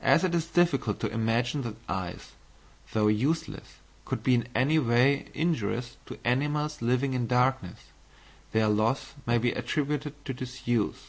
As it is difficult to imagine that eyes, though useless, could be in any way injurious to animals living in darkness, their loss may be attributed to disuse.